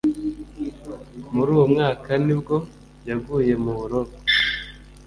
Muri uwo mwaka nibwo yaguye mu buroko,